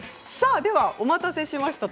お待たせしました。